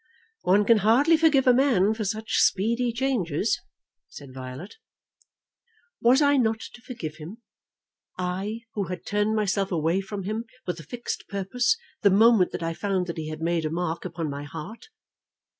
"One can hardly forgive a man for such speedy changes," said Violet. "Was I not to forgive him; I, who had turned myself away from him with a fixed purpose the moment that I found that he had made a mark upon my heart?